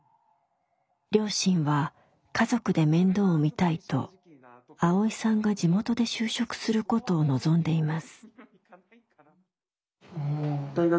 両親は家族で面倒を見たいとアオイさんが地元で就職することを望んでいます。